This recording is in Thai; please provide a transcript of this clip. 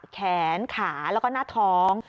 แขนขาแล้วก็หน้าท้อง